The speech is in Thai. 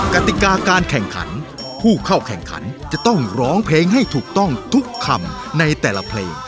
กติกาการแข่งขันผู้เข้าแข่งขันจะต้องร้องเพลงให้ถูกต้องทุกคำในแต่ละเพลง